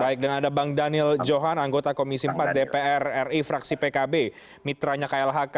baik dan ada bang daniel johan anggota komisi empat dpr ri fraksi pkb mitranya klhk